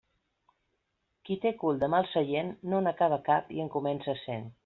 Qui té cul de mal seient, no n'acaba cap i en comença cent.